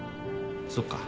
そっか。